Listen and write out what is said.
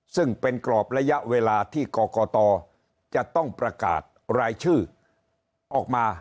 ซึ่งเป็นกรอบระยะเวลาที่กรกตจะต้องประกาศรายชื่อออกมา